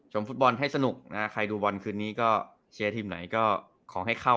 ฟุตบอลให้สนุกนะใครดูบอลคืนนี้ก็เชียร์ทีมไหนก็ขอให้เข้า